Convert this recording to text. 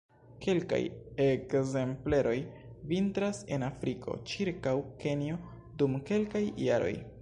Kelkaj ekzempleroj vintras en Afriko ĉirkaŭ Kenjo dum kelkaj jaroj.